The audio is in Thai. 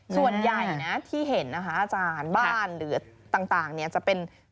ส่วนใหญ่นะที่เห็นนะคะอาจารย์บ้านหรือต่างเนี่ยจะเป็น